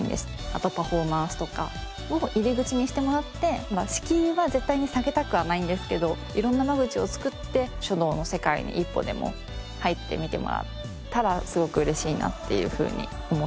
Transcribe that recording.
あとパフォーマンスとかを入り口にしてもらって敷居は絶対に下げたくはないんですけど色んな間口を作って書道の世界に一歩でも入ってみてもらったらすごく嬉しいなっていうふうに思ってます。